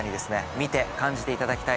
見て感じていただきたい